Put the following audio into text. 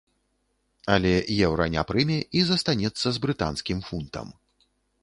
Але еўра не прыме і застанецца з брытанскім фунтам.